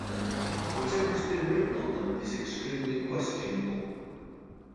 Whatever has been written on them is extremely questionable.